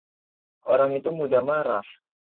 Orang itu mudah marah.